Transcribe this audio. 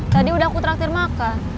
tadi udah aku terakhir makan